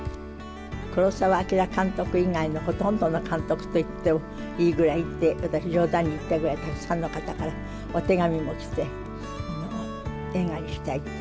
黒澤明監督以外のほとんどの監督といってもいいぐらいって、私、じょうだんで言ったぐらい、たくさんの方からお手紙も来て、映画にしたいって。